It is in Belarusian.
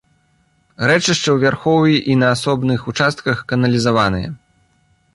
Рэчышча ў вярхоўі і на асобных участках каналізаванае.